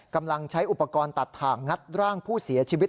กำลังใช้อุปกรณ์ตัดถ่างงัดร่างผู้เสียชีวิต